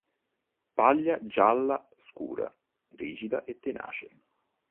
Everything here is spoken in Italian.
Paglia gialla scura, rigida e tenace.